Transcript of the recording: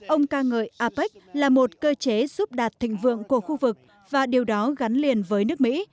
ông ca ngợi apec là một cơ chế giúp đạt thịnh vượng của khu vực và điều đó gắn liền với nước mỹ